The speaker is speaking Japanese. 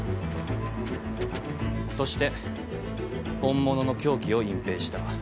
そして本物の凶器を隠蔽した。